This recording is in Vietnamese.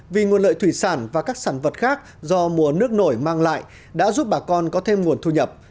vì nguồn lợi thủy sản và các sản vật khác do mùa nước nổi mang lại đã giúp bà con có thêm nguồn thu nhập